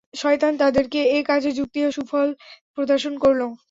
শয়তান তাদেরকে এ কাজের যুক্তি ও সুফল প্রদর্শন করল।